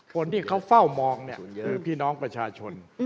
คนที่เขาเฝ้ามองเนี่ยคือพี่น้องประชาชน